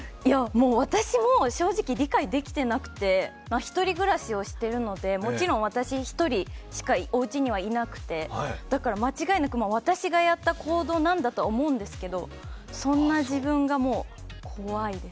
私も正直、理解できてなくて１人暮らしをしているのでもちろん私１人しかおうちにいなくてだから間違いなく私がやった行動なんだとは思うんですけどそんな自分がもう怖いです。